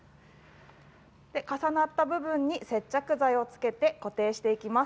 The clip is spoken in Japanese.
重なった部分に接着剤を付けて固定していきます。